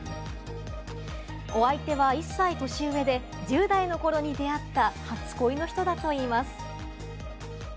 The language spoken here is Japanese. お相手は１歳年上で１０代の頃に出会った初恋の人だといいます。